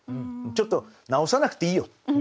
ちょっと直さなくていいよ。